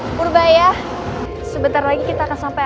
mengapa engkaunya agak kelakuan tuh faith